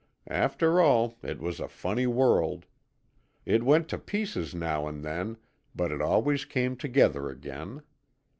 After all, it was a funny world. It went to pieces now and then, but it always came together again.